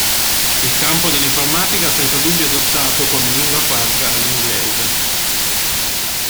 Il campo dell'informatica ha senza dubbio adottato come lingua franca l'inglese.